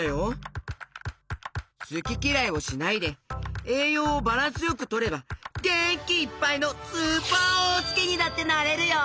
すききらいをしないでえいようをバランスよくとればげんきいっぱいのスーパーおうすけにだってなれるよ！